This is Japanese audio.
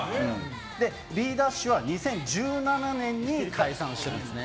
Ｂ‐ＤＡＳＨは２０１７年に解散してるんですね。